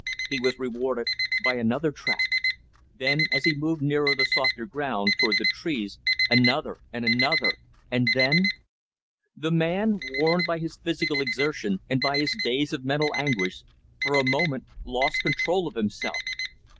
He was rewarded by another track. Then, as he moved nearer the softer ground, toward the trees, another and another and then The man worn by his physical exertion, and by his days of mental anguish for a moment, lost control of himself.